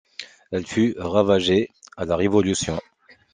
Elle fut ravagée à la révolution.